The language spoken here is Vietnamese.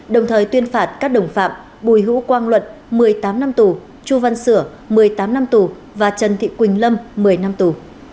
đồng thời tuyên phạt các đồng phạm bùi hữu quang luận một mươi tám năm tù chu văn sửa một mươi tám năm tù và trần thị quỳnh lâm một mươi năm tù